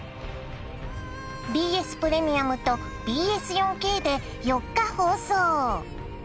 ＢＳプレミアムとＢＳ４Ｋで４日放送。